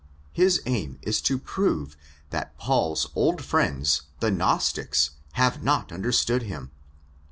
His aim is to prove that Paul's old friends, the Gnostics, have not understood him.